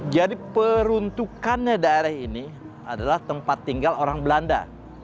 jadi peruntukannya daerah ini adalah tempat tinggal orang belanda